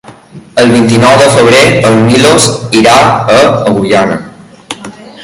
El vint-i-nou de febrer en Milos irà a Agullana.